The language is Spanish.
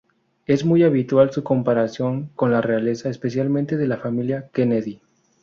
Es muy habitual su comparación con la realeza, especialmente de la familia Kennedy.